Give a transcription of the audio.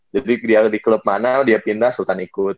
jadi dia di klub mana dia pindah sultan ikut